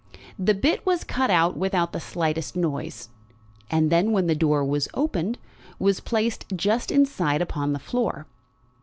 The bit was cut out without the slightest noise, and then, when the door was opened, was placed, just inside, upon the floor.